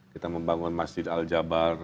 kita membangun masjid al jabar